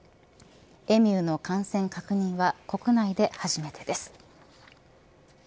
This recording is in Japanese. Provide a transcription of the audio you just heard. エミューの感染確認は国内で初めてです。